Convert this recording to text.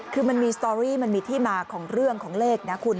คือมันมีสตอรี่มันมีที่มาของเรื่องของเลขนะคุณ